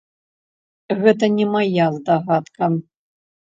Гэта не мая здагадка.